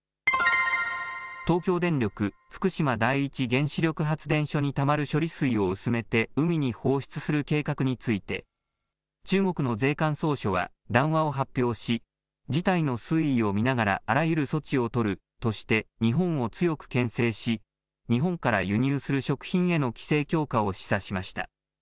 東京電力福島第一原子力発電所にたまる処理水を薄めて海に放出する計画について、中国の税関総署は談話を発表し、事態の推移を見ながらあらゆる措置を取るとして、日本を強くけん制し、日本から輸入する食品への規制強化を示唆しました。